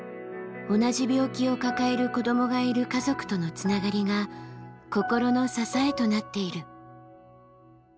同じ病気を抱える子どもがいる家族とのつながりが心の支えとなっている。